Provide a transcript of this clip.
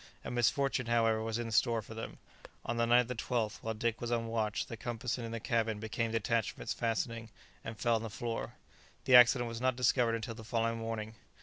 A misfortune, however, was in store for them. On the night of the 12th, while Dick was on watch, the compass in the cabin became detached from its fastening and fell on the floor. The accident was not discovered until the following morning.